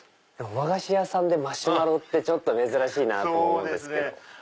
和菓子屋さんでマシュマロって珍しいなと思うんですけど。